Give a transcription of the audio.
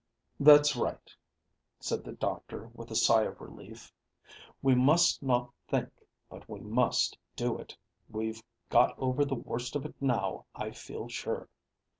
"That's right," said the doctor, with a sigh of relief. "We must not think, but we must do it. We've got over the worst of it now, I feel sure."